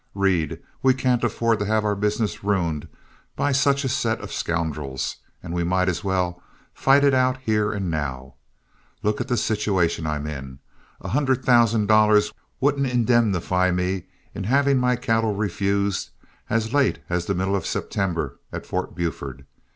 Reed, we can't afford to have our business ruined by such a set of scoundrels, and we might as well fight it out here and now. Look at the situation I'm in. A hundred thousand dollars wouldn't indemnify me in having my cattle refused as late as the middle of September at Fort Buford.